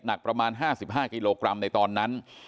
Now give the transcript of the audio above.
หนักประมาณ๕๕กิโลกรัมในตอนนั้น